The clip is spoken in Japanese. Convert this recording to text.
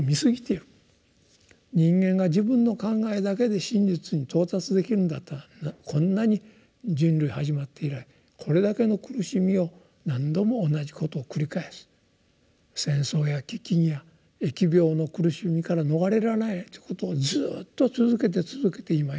人間が自分の考えだけで真実に到達できるんだったらこんなに人類始まって以来これだけの苦しみを何度も同じことを繰り返す戦争や飢きんや疫病の苦しみから逃れられないということをずっと続けて続けて今に至ってる。